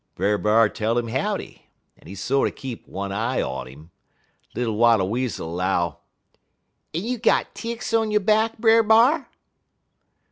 "Brer B'ar tell him howdy, but he sorter keep one eye on 'im. Little Wattle Weasel 'low: "'En you got ticks on yo' back, Brer B'ar?'